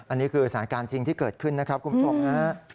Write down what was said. อันนี้คือสถานการณ์จริงที่เกิดขึ้นนะครับคุณผู้ชมฮะ